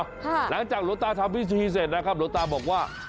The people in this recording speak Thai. หลังจากหลวงตาทำพิธีเสร็จนะครับหลวงตาบอกว่า